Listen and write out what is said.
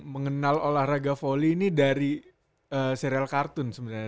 mengenal olahraga volley ini dari serial kartun sebenarnya